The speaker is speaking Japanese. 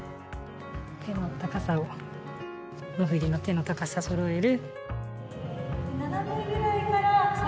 手の高さを、振りの手の高さそろえる。